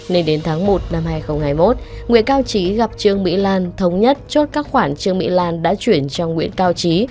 nên đến tháng một năm hai nghìn hai mươi một nguyễn cao trí gặp trương mỹ lan thống nhất chốt các khoản trương mỹ lan đã chuyển cho nguyễn cao trí